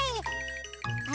あれ？